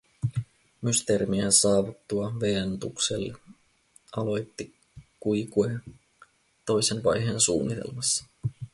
Mysteerimiehen saavuttua Ventukselle aloitti Quique toisen vaiheen suunnitelmassa.